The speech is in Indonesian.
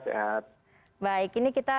sehat baik ini kita